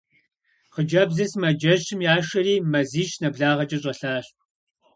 Хъыджэбзыр сымаджэщым яшэри, мазищ нэблагъэкӏэ щӀэлъащ.